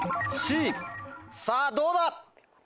さぁどうだ？